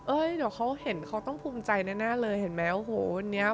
เเต่าเขาเห็นเขาต้องภูมิใจในหน้าเลย